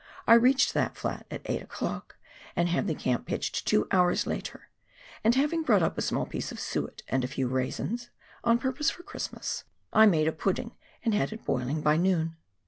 I reached that flat at 8 o'clock, and had the camp pitched two hours later ; and haxang brought up a small piece of suet and a few raisins, on purpose for Christmas, I made a pudding and had it boiling by noon.